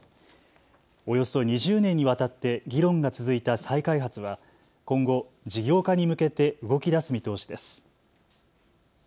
およそ２０年にわたって議論が続いた再開発は今後、事業化に向けて動きだす見通しです。